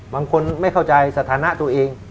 บางคนไม่เข้าใจสถานะตัวเอง